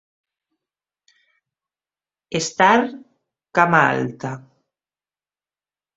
Estar cama alta.